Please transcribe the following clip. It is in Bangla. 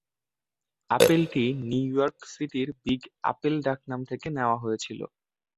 আপেলটি নিউ ইয়র্ক সিটির "বিগ আপেল" ডাকনাম থেকে নেওয়া হয়েছিল।